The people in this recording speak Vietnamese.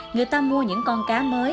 người ta mua những con cá mới